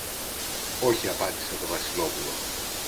Όχι, απάντησε το Βασιλόπουλο.